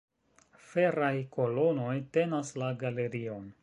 Feraj kolonoj tenas la galerion.